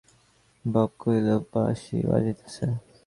বাপ কহিল, বাঁশি বাজিতেছে।